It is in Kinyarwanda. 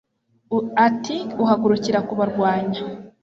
ati uhagurukira kubarwanya